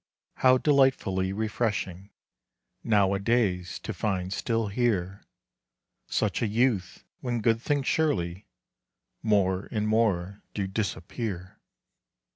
How delightfully refreshing Now a days to find still here Such a youth, when good things surely More and more do disappear.